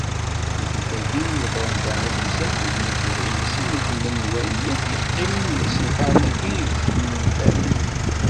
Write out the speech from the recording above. Tikklt-agi, imeḍebbren teεna temsalt, beggnen-d lebɣi-nsen s ukemmel, n wayen yakk d-yeqqimen deg yisenfaren-agi igejedanen.